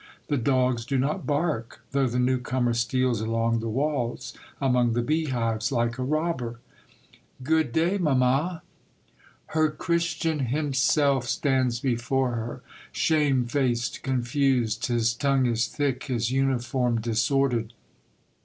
The dogs do not bark, though the new comer steals along the walls, among the beehives, like a robber. 56 Monday Tales, *' Good day, mamma !" Her Christian himself stands before her, shame faced, confused ; his tongue is thick, his uniform disordered.